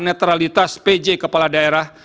netralitas pj kepala daerah